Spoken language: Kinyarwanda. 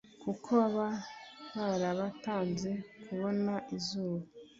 kuko baba barabatanze kubona izuba.